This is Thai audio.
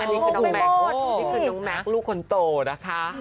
นี่คือน้องแม็กซ์ลูกคนโตนะคะ